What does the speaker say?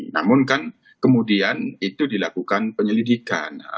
namun kan kemudian itu dilakukan penyelidikan